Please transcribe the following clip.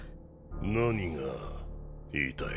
何が言いたい？